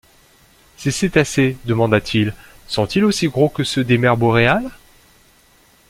Ces cétacés, demanda-t-il, sont-ils aussi gros que ceux des mers boréales?